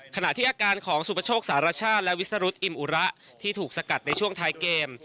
ขณะที่อาการของสุปโชคสารชาติและวิสรุธอิมอุระที่ถูกสกัดในช่วงท้ายเกม